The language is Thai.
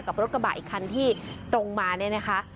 กับรถกระบะอีกคันที่ตรงมาเนี่ยนะคะ